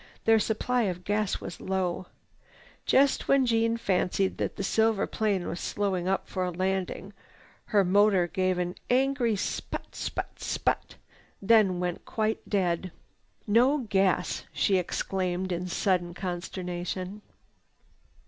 Their supply of gas was low. Just when Jeanne fancied that the silver plane was slowing up for a landing, her motor gave an angry sput sput sput, then went quite dead. "No gas!" she exclaimed in sudden consternation.